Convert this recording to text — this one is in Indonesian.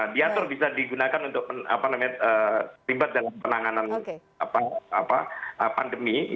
diatur bisa digunakan untuk terlibat dalam penanganan pandemi